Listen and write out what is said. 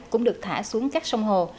cũng được thả xuống các sông hồ